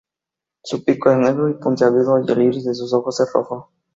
Su pico es negro y puntiagudo y el iris de sus ojos es rojo.